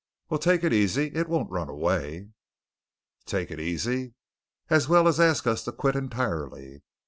Well, take it easy; it won't run away!" Take it easy! As well ask us to quit entirely!